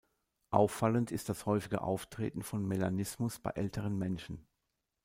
Auffallend ist das häufige Auftreten von Melanismus bei älteren Männchen.